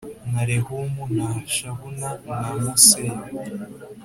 na Rehumu na Hashabuna na M seya